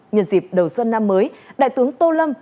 nhân dịp đầu xuân năm mới đại tướng tô lâm